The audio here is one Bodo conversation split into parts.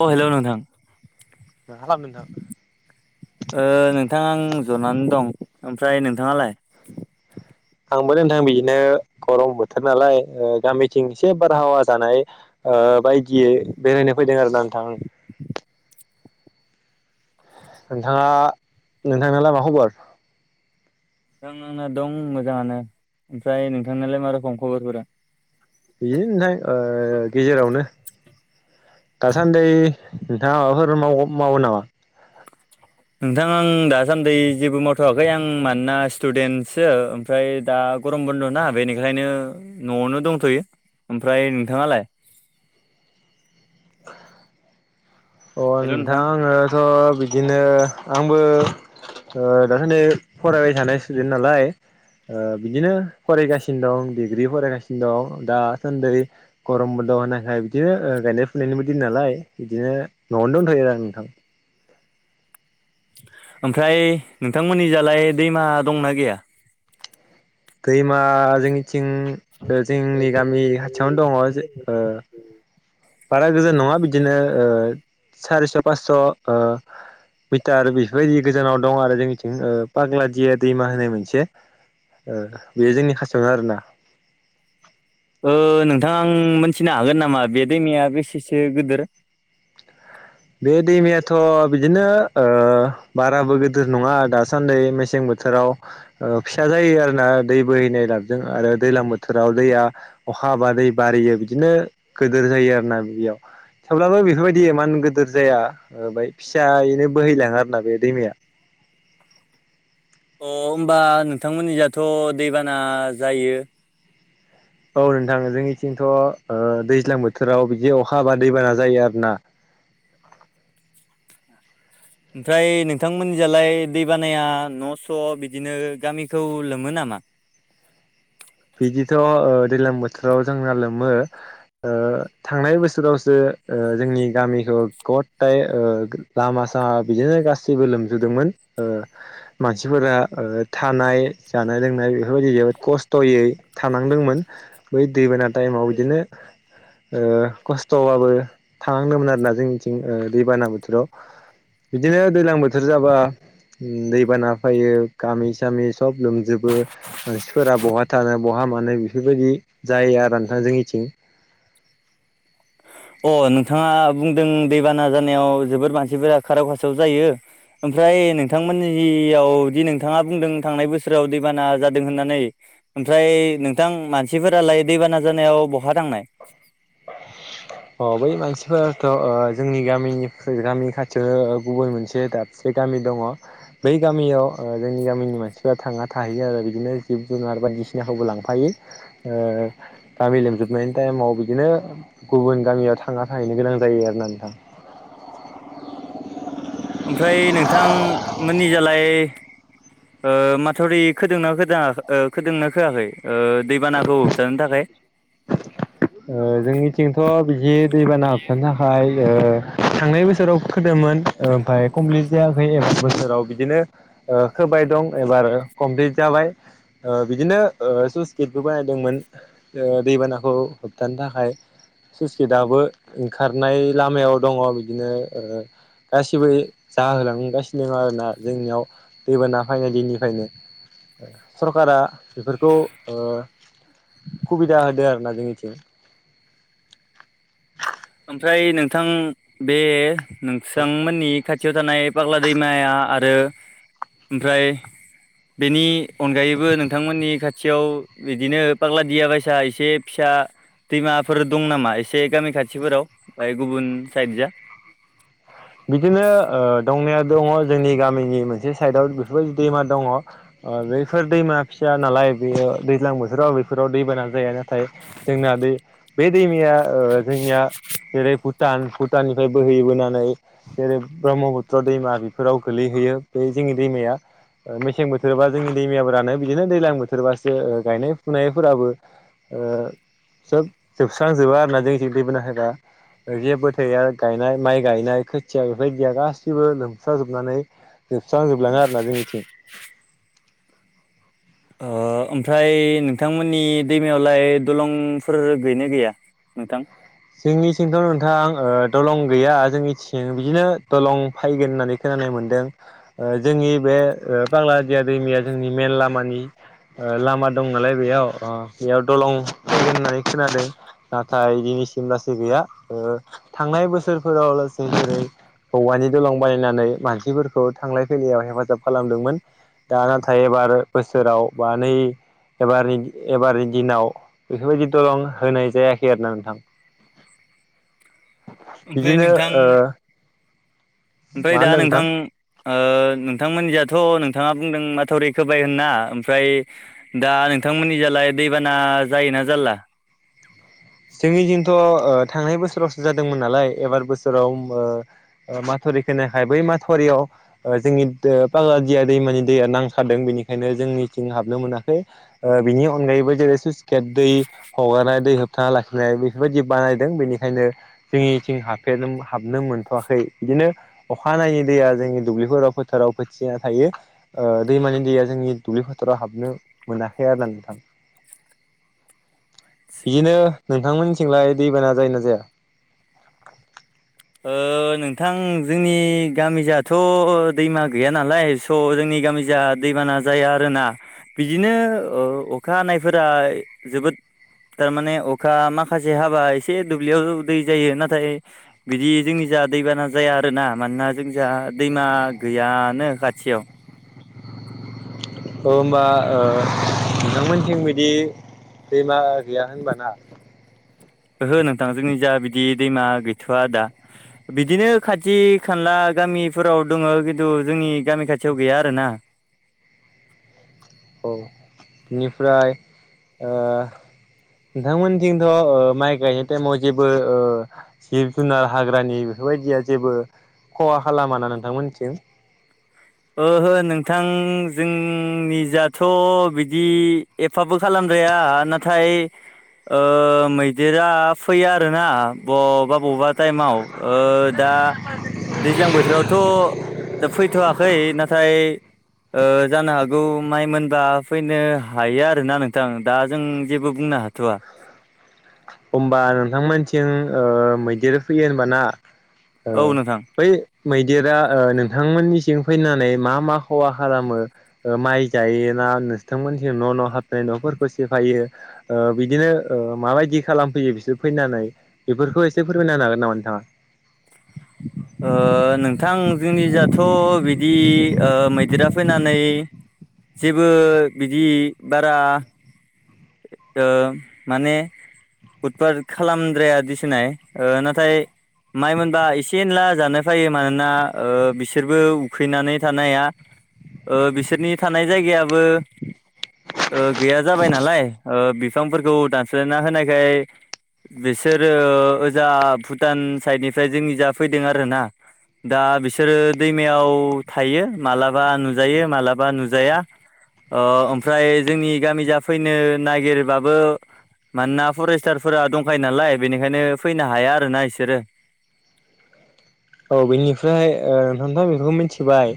अ हेलौ नोंधां। मा खालामदों नोंथां? ओ नोंथां आं जनानै दं ओमफ्राय नोंथाङालाय? आंबो नोंथां बिदिनो गरम बोथोर नालाय ओ गामिथिं एसे बारहावा जानाय। ओ बायदियै बेरायनो फैदों आरो ना नोंथां। [inaudible] नोंथाङा नोंथांनालाय मा खबर? नों आंना दं मोजाङानो ओमफ्राय नोंथांनालाय मा रोखोम खबरफोरा? बिदि नोथां ओ गेजेरावनो। दासान्दि नोंथाङा माबाफोर मावो नामा। नोंथां आं दासान्दिै जेबो मावथ'वाखै आं मानोना स्टुडेन्टसो। ओमफ्राय दा गरम बन्द ना बेनिखायनो नआवनो दंथयो ओमफ्राय नोंथाङालाय। अ नोंथां आोथ बिदिनो आंबो। ओ दासानदै फरायबाय थानाय स्टुदेन्ट नालाय। ओ बिदिनो फरायगासिनो दं डिग्रि फरायगासिनो दं दासान्दै। गरमबोन्दव होनायखाय बिदिनो ओ गायनाय फुनायनिबो दिन नालाय बिदिनो न'आवनो दंथ'यो आरो आं नोंथां। ओमफ्राय नोंथांमोननि जालाय दैमा दंना गैया। दैमा जोंनिथिं जोंनि गामि खाथियावनो दङ। बारा गोजान नङा बिदिनो ओ सारिस पासस ओ। मिटार बेफोरबायदि गोजानाव दं आरो जोंनिथिं पाग्लादिया दैमा होनाय मोनसे। ओ बेयो जोंनि खाथियावनो आरो ना। ओ नोंथां आं मोनथिनो हागोन नामा बे दैमाया बेसेसो गिदिर। बे दैमायाथ बिदिनो ओ बाराबो गिदिर नङा दासान्दि मेसें बोथोराव। ओ फिसा जायो आरोोना दै बोहैनाय लाबजों आरो दैज्लां बोथोराव दैया। अखा हाबा दै बारियो बिदिनो गिदोर जायो आरो ना बेयाव। थेवब्लाबो बेफोरबायदि मान गिदिर जाया ओफ्राय फिसायैनो बोहैलाङो आरोोना बे दैमाया। अ होनोमबा नोंथांमोननियाथ दैबाना जायो। औ नोंथां जोंनिथिंथ ओ दैज्लां बोथोराव बिदि अखा ह बा दैबाना जायो आरो ना। ओमफ्राय नोंथांमोननिजालाय दै बानाया नस बिदिनो गामिखौ लोमो नामा? बिदिथ दैज्लां बोथोराव जोंना लोमो। ओ थांनाय बोसोरावसो जोंनि गामिखौ गथाय ओ। लामा सामा बिदिनो गासैबो लोमजुदोंमोन ओ। मानसिफोरा थानाय जानाय लोंनाय बेफोरबायदि जोबोद खस्थ। स्थयै थानांदोंमोन बै दैबाना टाइमाव बिदिनो। ओ खस्थ बाबो थानांदोंमोन आरोना जोंनिथिं दैबाना बोथोराव। बिदिनो दैज्लां बोथोर जाबा। दैबाना फैयो गामि सामि सब लोमजोबो मानसिफोरा बहत। खिथानो बहा मानो बेफोरबायदि जायो आरो नोंथां जोंनिथिं। अ नोंथाङा बुंदों दैबाना जानायाव जोबोद मानसिफोरा खाराव खाासाव जायो। ओमफ्राय नोंथांमोननियाव दि नोंथाङा बुंदों थांनाय बोसोराव दैबाना जादों होननानै। ओमफ्राय नोंथां मानसिफोरालाय दैबाना जानायाव बहा थांनाय। अ बै मानसिफोराथ जोंनि गामिनि गामिनि खाथियावनो गुबुन मोनसे दा। दाबसे गामि दङ। बै गामियाव जोंनि गामिनि मानसिफ्रा थाङा थाहैयो आरो बिदिनो जिब जुनार बायदिसिनाखौबो लांफायो। ओ गामि लोमजोबनायनि टाइमाव बिदिनो। गुबुन गामियाव थांना थाहैनो गोनां जायो आरो ना नोंथां। ओमफ्राय नोंथां मोननि। निजालाय ओ माथावरि खोदोंनाोदों ओ खोदोंना होआखै। ओ दैबानाखौ होबथानो थाखाय। जोंनिथिंथ बिदि दैबाना हाबथानो थाखाय थांनाय बोसोराव फोदोंमोन। ओमफफ्राय कमप्लिट जायाखै एबार बोसोराव बिदिनो। ओ खोबाय दं एबार कमप्लिट जाबाय। ओ बिदिनो ओ स्लुइस गेटबो बानायदोंमोन दैबानाखौ। थानो थाखाय स्लुइस गेटआबो ओंखारनाय लामायाव दङ बिदिनो। गासिबो जाहोलांगासिनो दङ आरोना जोंनियाव। दैबाना फैनाय दिनिफ्रायनो। सरकारा बेफोरखौ ओ सुबिदा होदों आरोना जोंनिथिं। ओमफ्राय नोंथां बे नोंसांमोननि खाथि। खाथियाव थानाय फाग्ला दैमाया आरो ओमफ्राय। बेनि अनगायैबो नोंथांमोननि खाथियाव बिदिनो फाग्ला दिया बायसा एसे फिसा दैमाफोर दं नामा एसे गामि खाथिफोराव बाय गुबुन साइडजो? बिदिनो ओ दंनाया दङ जोंनि गामिनि मोनसे साइडआव बेफोरबायदि दैमा दङ'। ओ बैफोर दैमा फिसा नालाय बेयो दैज्लां बोथोराव बेफोराव दैमाना जाया। नाथाय जोंना दै बे दैमाया ओ जोंनिया जेरै भुटान भुटाननिफ्राय बोहैबोनानै जेरै ब्रह्मपुत्र दैमा बेफोराव गोलैहैयो बे जोंनि दैमाया मेसें बोथोरबा जोंनि दैमायाफोरानो बिदिनो दैज्लां बोथोरबासो गायनाय फुनायफोराबो सोब जोबस्रांजोबा आरोना जों ज दैबोना हबा जेबो थैया आरो गायनाय माइ गायनाय खोथिया बेफोरबायदिया गासैबो लोमस्राजोबनानै जोबस्रांजोबलाङो आरोना जोंनिथिं। ओ ओमफ्राय नोंथांमोननि दैमायावलाय दलंफोर गैना गैया? नोंथां। जोंनिथिंथ' नोंथां दलं गैया जोंनिथिं बिदिनो दलं फैगोन होननानै खोनानो मोनदों ओ जोंनि बे ओ बाग्लादिया दैमाया जोंनि मेन लामानि ओ लामा दं नालाय बेयाव ओ बेयाव दलं फैगोन होननानै खोनादों। नाथाय दिनैसिमलासै गैया ओ थांनाय बोसोरफोराव लासै जेरै औवानि दलं बानायनानै मानसिफोरखौ थांलाय फैलायाव हेफाजाब खालामदोंमोन। दा नाथाय एबार बोसोराव बा नै एबारनि एबारनि दिनाव बेफोरबायदि दलं होनाय जायाखै आरो ना नोंथां। ओमफ्राय बिदिनो नोंथां ओ ओमफ्राय मा दा होनदों नोंथां ओ नोंथांमोनजाथ' नोंथाङा बुंदों माथावरि खोबाय होनना, ओमफ्राय दा नोंथांमोननि ओजालाय दैबाना जायोना जाला? जोंनिथिंथ' ओ थांनाय बोसोरावसो जादोंमोन नालाय, एबार बोसोराव ओ ओ माथावरि खोनखाय, बै माथावरियाव ओ जोंनि दो पाग्ला दिया दैमानि दैया नांथादों। बेनिखायनो जोंनिथिं हाबनो मोनाखै। ओ बिनि अनगायैबो जेरै स्लुइसगेट दै हगारनाय दै होबथा लाखिनाय बेफोरबायदि बानायदों बेनिखायनो जोंनिथिं हाबफेर हाबनो मोनथ'वाखै, बिदिनो अखानायै दैया जोंनि दुब्लिफोराव फोथाराव फोथिना थायो। ओ दैमानि दैया जोंनि दुब्लि फोथाराव हाबनो मोनाखै आरो नोंथां। [inaudible] बिदिनो नोंथांमोननिथिंलाय दैबाना जायो ना जाया? ओ नोंथां जोंनि गामिजाथ' दैमा गैया नालाय थ' जोंनि गामिजा दैबाना जाया आरोना। बिदिनो ओ अखा हानायफोरा जोबोद थारमाने अखा माखासे हाबा एसे दुब्लियाव दै जायो। नाथाय बिदि जोंनि जा दैबाना जाया आरोना । मानोना जोंनिजा दैमा गैयानो खाथियाव। ओ होमबा ओ बिथांमोनथिं बिदि दैमा गैया होनबाना? ओहो नोंथां जोंनि जा बिदि दैमा गैथ'आ दा। बिदिनो खाथि खाला गामिफोराव दङ खिन्थु जोंनि गामि खाथियाव गैया आरोना। औ बेनिफ्राय ओ नोंथांमोनथिंथ' ओ माइ गायनाय टाइमाव जेबो ओ जिब जुनार हाग्रानि बेफोरबायदिया जेबो खहा खालामाना नोंथांमोननिथिं? ओहो नोंथां जोंनिजाथ' बिदि एफाबो खालामद्राया। नाथाय ओ‌ मैदेरा फैयो आरोना बबा बबा टाइमाव ओ दा दैज्लां बोथोरावथ' दा फैथ'वा फै नाथाय ओ जानो हागौ माइ' मोनबा फैनो हायो। आरोना नोंथां दा जों जेबो बुंनो हाथ'वा। होमबा नोंथांमोनथिं ओ मैदेर फैयो होनबाना ओ‌ औ नोंथां बै? मैदेरा ओ नोंथांमोननिसिं फैनानै मा मा खहा खालामो? ओ माइ जायोना नोंथांमोनथिं न' न' हाबनाय न'फोरखौ सेफायो। ओ बिदिनो ओ माबायदि खालामफैयो बिसोर फैनानै बेफोरखौ एसे फोरमायना होनो हागोन नामा नोंथाङा? ओ नोंथां जोंनिजाथ' बिदि ओ मैदेरा फैनानै जेबो बिदि बारा ओ‌ माने उदबात खालामद्राया दिसननाय ओ नाथाय माइ मोनबा एसे एनला जानो फैयो मानोना ओ बिसोरबो उखैनानै थानो हाया। ओ बिसोरनि थानाय जायगायाबो ओ गैया जाबाय नालाय। ओ बिफांफोरखौ दानस्लायना होनायखाय बिसोरो ओजा भुटान साइडनिफ्राय जोंनि जा फैदों आरोना। दा बिसोरो दैमायाव थायो मालाबा नुजायो माब्लाबा नुजाया ओओमफ्राय जोंनि गामि जा फैनो नागिरबाबो मानोना फरेस्टारफोरा दंखायो नालाय बेनिखायनो फैनो हाया आरोना बिसोरो। औ बेनिफ्राय ओ नोंथांथ' बेखौ मिन्थिबाय।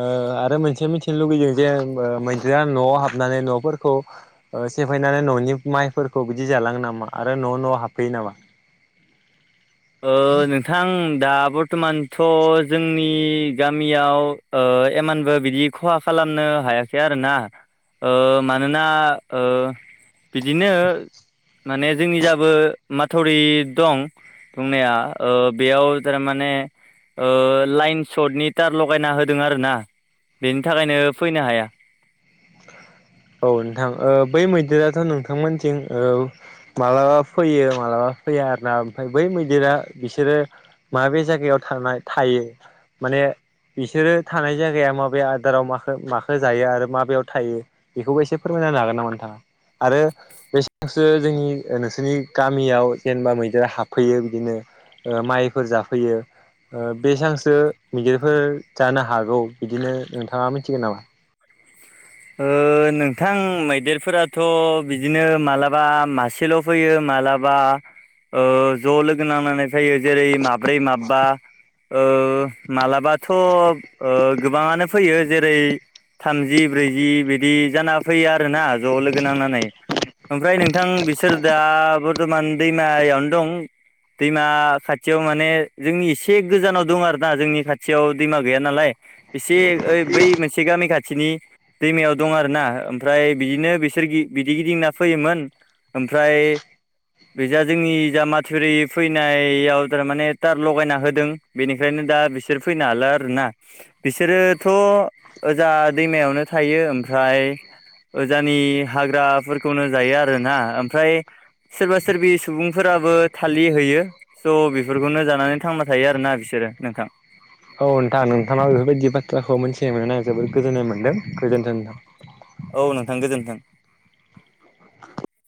ओ आरो मोनसे मिथिनो लुुबैदों जे मैदेरा न'आव हाबनानै न'फोरखौ ओ सेफायनानै न'नि माइफोरखौ बिदि जालाङो नामा आरो न' न'हाबफैयो नामा? ओ नोंथां दा बर्थ'मानथ' जोंनि गामियाव ओ एमानबो बिदि खहा खालामनो हायाखै आरो ना। ओ मानोना ओ बिदिनो माने जोंनि जाबो माथावरि दं। बुंनाया ओ बेयाव थारमाने ओ लाइन सर्टनि तार लगायना होदों आर ना बेनि थाखायनो फैनो हाया। औ नोंथां ओ बै मैदेराथ' नोंथांमोनथिं ओ माब्लाबा फैयो मालाबा फैया आर ना ओमफ्राय बै मैदेरा बिसोरो माबे जायगायाव थानाय थायो। माने बिसोरो थानाय जायगाया माबे आदाराव माखो माखो जायो आरो माबेायाव थायो बेखौबो एसे फोरमायनाानो हागोन नामा नोंथाङा आरो? बेसेबांसो जोंनि नोंसोरनि गामियाव जेनेबा मैदेरा हाबफैयो बिदिनो ओ माइफोर जाफैयो। ओ बेसांसो मैदेरफोर जानो हागौ बिदिनो नोंथाङा मिथिगोन नामा? ओ नोंथां मैदेरफोराथ' बिदिनो मालाबा मासेल' फैयो मालाबा ओ ज' लोगो नांनानै फैयो जेरै माब्रै माबबा ओ‌ मालाबाथ' ओ गोबाङानो फैयो जेरै थामजि ब्रैजि बिदि जाना फैयो आरोना ज' लोगो नांनानै ओमफ्राय नोंथां बिसोर दा बर्थमान दैमायावनो दं दैमा खाथियाव माने जोंनि एसे गोजानाव दं आरोना जोंनि खाथियाव दैमा गैया नालाय एसे ओम बै मोनसे गामि खाथिनि दैमायाव दं आरो ना ओमफ्राय बिदिनो बिसोर गि बिदि गिदिं ना फैयोमोन ओमफ्राय बेजा जोंनि जा माथुरि फैनायाव थारमाने थार लगायना होदों बेनिखायनो दा बिसोर फैनो हाला आरोना बिसोरोथ' जा दैमायावनो थायो ओमफ्राय ओजानि हाग्राफोरखौनो जायो आरोना ओमफ्राय सोरबा सोरबि सुबुंफोराबो थालि होयो। स' बेफोरखौनो जानानै थांबाय थायो आरोना बिसोरो नोंथां। औ नोंथां नोंथांङा बेफोरबायदि बाथ्राखौ मोन्थिनो मोननानै आं जोबोद गोजोननाय मोनदों गोजोन्थों नोंथां। औ नोंथां गोजोन्थों।